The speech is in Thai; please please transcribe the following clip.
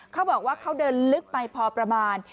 เขาบอกว่าเขาเดินลึกไปพอประมาณ